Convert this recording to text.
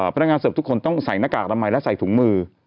พนักงานเสิร์ฟทุกคนต้องใส่หน้ากากอนามัยและใส่ถุงมือ